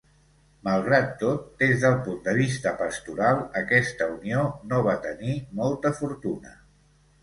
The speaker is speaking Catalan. Malgrat tot, des del punt de vista pastoral aquesta unió no va tenir molta fortuna.